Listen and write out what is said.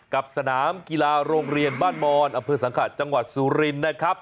กับสนามกีฬาโรงเรียนบ้านมอนอำเภอสังขะจังหวัดสุรินทร์นะครับ